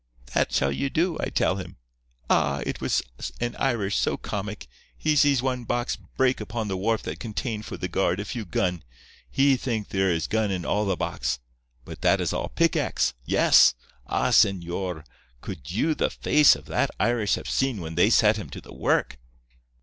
"That shall you do," I tell him. Ah! it was an Irish so comic. He sees one box break upon the wharf that contain for the guard a few gun. He think there is gun in all the box. But that is all pickaxe. Yes. Ah! señor, could you the face of that Irish have seen when they set him to the work!